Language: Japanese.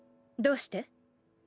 どうして？